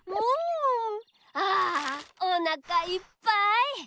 あおなかいっぱい！